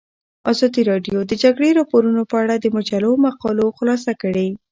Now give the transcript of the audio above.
ازادي راډیو د د جګړې راپورونه په اړه د مجلو مقالو خلاصه کړې.